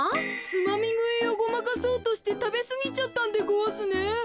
つまみぐいをごまかそうとしてたべすぎちゃったんでごわすね？